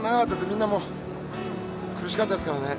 みんなもう苦しかったですからね